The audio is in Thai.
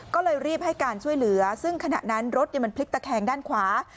ก็เลยรีบให้การช่วยเหลือซึ่งขณะนั้นรถมันพลิกตะแคงด้านขวา